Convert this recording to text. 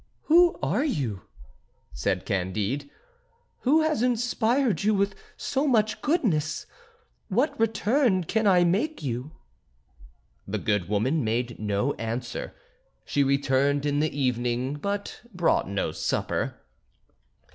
"Who are you?" said Candide; "who has inspired you with so much goodness? What return can I make you?" The good woman made no answer; she returned in the evening, but brought no supper.